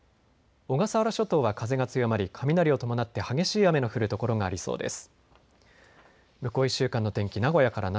小笠原諸島は風が強まり雷を伴って激しい雨の降る所がありそうです。